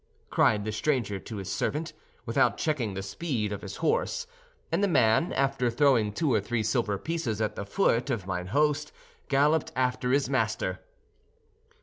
cried the stranger to his servant, without checking the speed of his horse; and the man, after throwing two or three silver pieces at the foot of mine host, galloped after his master.